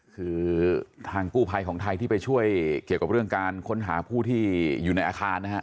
คือทางกู้ภัยของไทยที่ไปช่วยเกี่ยวกับเรื่องการค้นหาผู้ที่อยู่ในอาคารนะฮะ